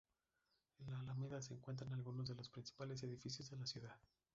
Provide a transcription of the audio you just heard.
En la Alameda se encuentran algunos de los principales edificios de la ciudad.